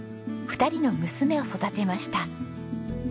２人の娘を育てました。